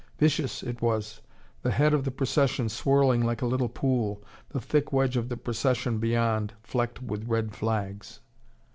Vicious it was the head of the procession swirling like a little pool, the thick wedge of the procession beyond, flecked with red flags.